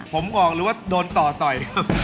ผมออกหรือว่าโดนต่อต่อย